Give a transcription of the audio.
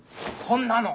こんなの。